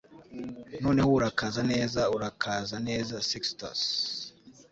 Noneho urakaza neza urakaza neza Sextus